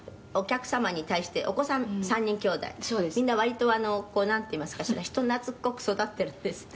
「みんな割とこうなんていいますかしら人懐っこく育ってるんですって？」